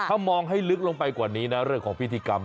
ถ้ามองให้ลึกลงไปกว่านี้นะเรื่องของพิธีกรรม